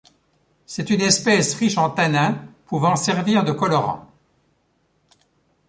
C'est une espèce riche en tannins pouvant servir de colorant.